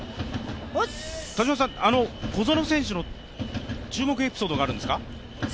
小園選手の注目エピソードがあるんですか？